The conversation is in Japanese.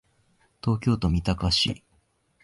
東京都三鷹市